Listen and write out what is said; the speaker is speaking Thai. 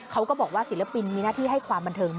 เขาก็บอกว่าศิลปินมีหน้าที่ให้ความบันเทิง